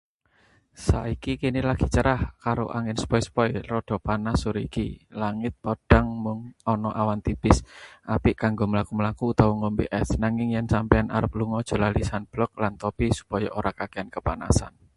Saiki kene lagi cerah karo angin sepoi-sepoi, rada panas sore iki. Langit padhang, mung ana awan tipis. Apik kanggo mlaku-mlaku utawa ngombe es, nanging yen sampeyan arep lunga ojo lali sunblock lan topi supaya ora kakehan kepanasan.